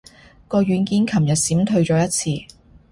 個軟件尋日閃退咗一次